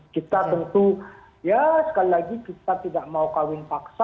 kita tentu ya sekali lagi kita tidak mau kawin paksa